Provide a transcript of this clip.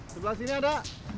sebelah sini ada